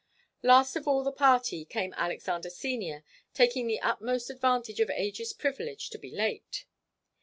Last of all the party came Alexander Senior, taking the utmost advantage of age's privilege to be late.